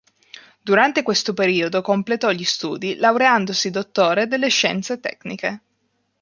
Durante questo periodo completò gli studi laureandosi dottore delle scienze tecniche.